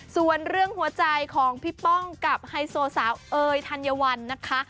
ส่วนเรื่องหัวใจของพี่ป้องกับไฮโซสาวเอ๋ยธัญวัลนะคะ